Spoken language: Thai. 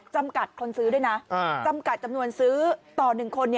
จำกัดคนซื้อด้วยนะจำกัดจำนวนซื้อต่อ๑คน